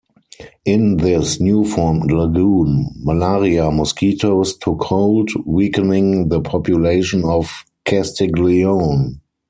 In this newformed lagoon, malaria mosquitoes took hold, weakening the population of Castiglione.